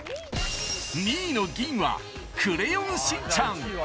２位の銀はクレヨンしんちゃん